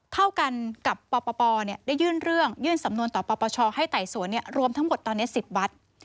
เท่ากันกับปปได้ยื่นเรื่องยื่นสำนวนต่อปปชให้ไต่สวนรวมทั้งหมดตอนนี้๑๐วัด